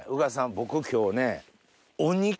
僕今日ね。